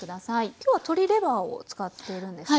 今日は鶏レバーを使っているんですね。